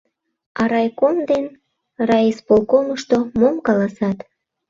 — А райком ден райисполкомышто мом каласат?